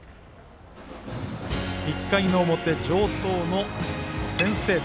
１回の表、城東の先制点。